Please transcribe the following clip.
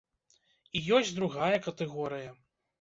І ёсць другая катэгорыя.